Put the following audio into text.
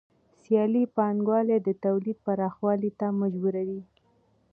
سیالي پانګوال د تولید پراخوالي ته مجبوروي